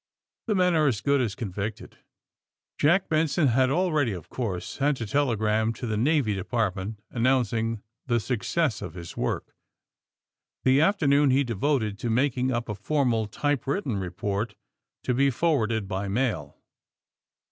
The men are as good as convicted. '' Jack Benson had, already, of course, sent a telegram to the Navy Department announcing the success of his work. The afternoon he de voted to making up a formal typewritten report to be forwarded by mail.